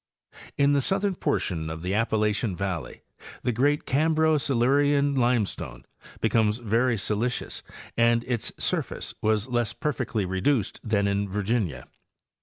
In the southern portion of the Appalachian val ley the great Cambro Silurian limestone becomes very silicious and its surface was less perfectly reduced than in Virginia.